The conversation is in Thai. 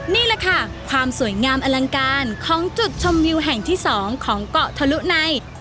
นี่แหละค่ะความสวยงามอลังการของจุดชมวิวแห่งที่๒ของเกาะทะลุใน